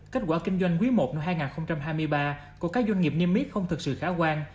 kết quả kinh doanh quý i năm hai nghìn hai mươi ba của các doanh nghiệp niêm yết không thực sự khả quan